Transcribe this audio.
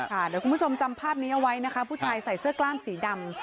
เดี๋ยวคุณผู้ชมจำภาพนี้เอาไว้นะคะผู้ชายใส่เสื้อกล้ามสีดำ